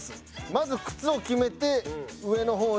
まず靴を決めて上の方にいく感じ。